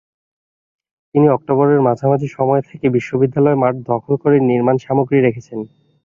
তিনি অক্টোবরের মাঝামাঝি সময় থেকে বিদ্যালয়ের মাঠ দখল করে নির্মাণসামগ্রী রেখেছেন।